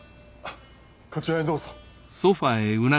こちらへどうぞ。